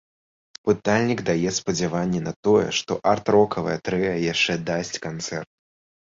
Пытальнік дае спадзяванне на тое, што арт-рокавае трыа яшчэ дасць канцэрт.